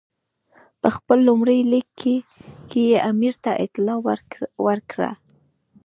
په خپل لومړي لیک کې یې امیر ته اطلاع ورکړه.